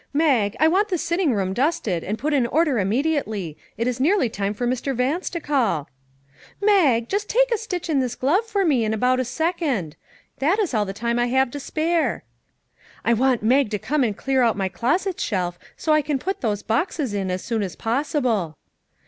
" Mag, I want the sitting room dusted and put in order immediately; it is nearly time for Mr. Vance to call." " Mag, just take a stitch in this glove for me in about a second ; that is all the time I have to spare." " I want Mag to come and clear out my closet shelf so I can put those boxes in as soon as possible."